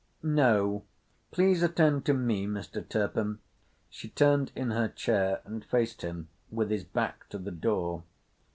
"No. Please attend to me, Mr. Turpin." She turned in her chair and faced him with his back to the door.